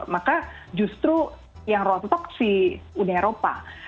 maka justru yang rontok si uni eropa